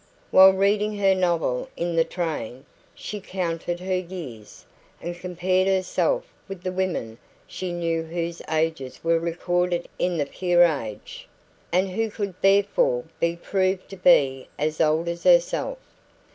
While reading her novel in the train, she counted her years, and compared herself with the women she knew whose ages were recorded in the Peerage, and who could therefore be proved to be as old as herself.